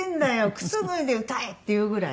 靴脱いで歌え」っていうぐらい。